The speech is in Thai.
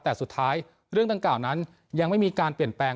แต่สุดท้ายเรื่องดังกล่าวนั้นยังไม่มีการเปลี่ยนแปลง